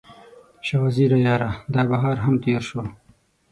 شاه وزیره یاره، دا بهار هم تیر شو